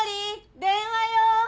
電話よ。